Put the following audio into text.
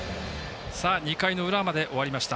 ２回の裏まで終わりました。